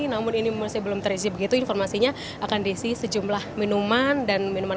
namun ini masih belum terisi begitu informasinya akan diisi sejumlah minuman dan minuman